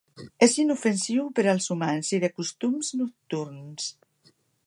És inofensiu per als humans i de costums nocturns.